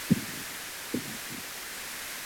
达怀县是越南林同省下辖的一个县。